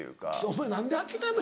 お前何で諦め。